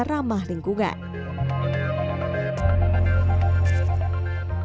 bisa ramah lingkungan